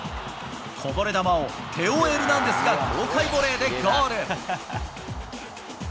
こぼれ球をテオ・エルナンデスが、豪快ボレーでゴール。